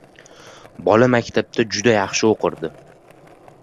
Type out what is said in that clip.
Bola maktabda juda yaxshi oʻqirdi.